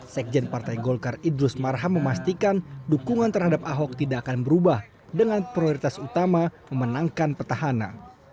sekjen partai golkar idrus marham memastikan dukungan terhadap ahok tidak akan berubah dengan prioritas utama memenangkan petahana